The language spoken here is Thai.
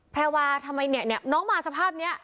แพรวาทำไมเนี่ยน้องมาสภาพนี้